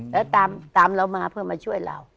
แล้วตามเรามาเพื่อมาช่วยเรา